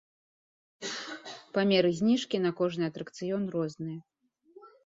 Памеры зніжкі на кожны атракцыён розныя.